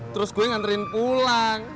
terus gue nganterin pulang